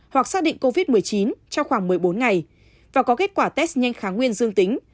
hoặc xác định covid một mươi chín trong khoảng một mươi bốn ngày và có kết quả test nhanh kháng nguyên dương tính